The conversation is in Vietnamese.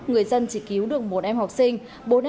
người dân chỉ cứu được một em học sinh